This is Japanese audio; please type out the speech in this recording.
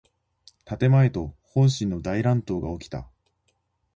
建前と本心の大乱闘がおきた。